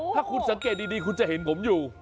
ถ้าคุณสังเกตดีคุณจะเห็นผมอยู่